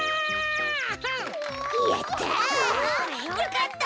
やった！